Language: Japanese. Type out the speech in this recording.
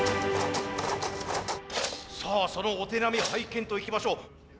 さあそのお手並み拝見といきましょう。